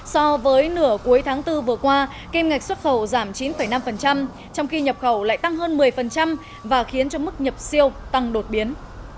so với nửa cuối tháng bốn vừa qua kim ngạch xuất khẩu giảm chín năm trong khi nhập khẩu lại tăng hơn một mươi và khiến cho mức nhập siêu tăng đột biến